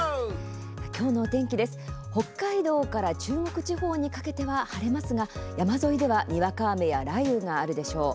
今日のお天気、北海道から中国地方にかけては晴れますが山沿いでは、にわか雨や雷雨があるでしょう。